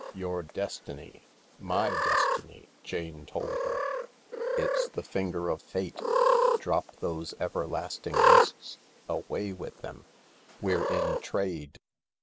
Your destiny, my destiny," Jane told her. " It's the finger of Fate. Drop those everlasting lists. Away with them I We're in trade